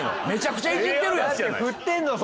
めちゃくちゃイジってるやん。